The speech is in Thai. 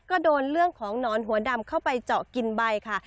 ก็โดนเรื่องของหนอนหัวดำเข้าไปเจาะกินใบค่ะ